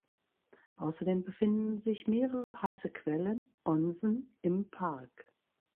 Außerdem befinden sich mehrere heiße Quellen (Onsen) im Park.